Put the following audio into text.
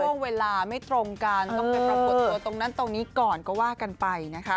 ช่วงเวลาไม่ตรงกันต้องไปปรากฏตัวตรงนั้นตรงนี้ก่อนก็ว่ากันไปนะคะ